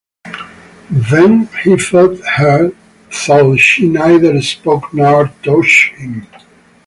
Then he felt her, though she neither spoke nor touched him.